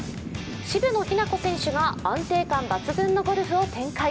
渋野日向子選手が安定感抜群のゴルフを展開。